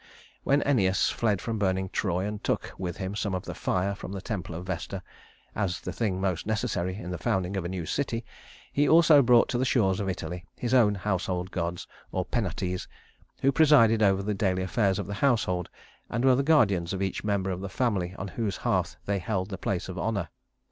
II When Æneas fled from burning Troy, and took with him some of the fire from the temple of Vesta, as the thing most necessary in the founding of a new city, he also brought to the shores of Italy his own household gods or Penates who presided over the daily affairs of the household, and were the guardians of each member of the family on whose hearth they held the place of honor.